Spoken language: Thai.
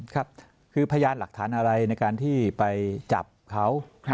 ครับคือพยานหลักฐานอะไรในการที่ไปจับเขา